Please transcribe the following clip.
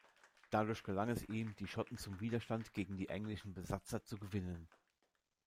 Dadurch gelang es ihm, die Schotten zum Widerstand gegen die englischen Besatzer zu gewinnen.